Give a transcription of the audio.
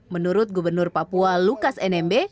menurut gubernur papua lukas nmb